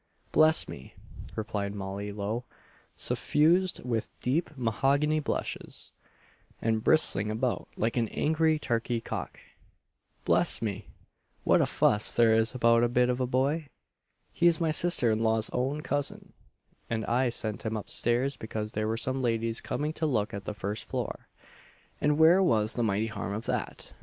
"Bless me!" replied Molly Lowe suffused with deep mahogany blushes, and bristling about like an angry turkey cock "Bless me! what a fuss there is about a bit of a boy! He's my sister in law's own cousin, and I sent him up stairs because there were some ladies coming to look at the first floor; and where was the mighty harm of that?